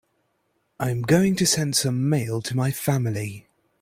I am going to send some mail to my family.